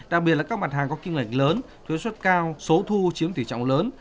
đặc biệt là các mặt hàng có kim ngạch lớn thuế xuất cao số thu chiếm tỷ trọng lớn